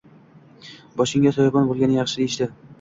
Boshinga soyabon bo`lgani yaxshi deyishdi